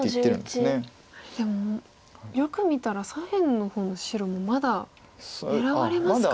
でもよく見たら左辺の方の白もまだ狙われますか？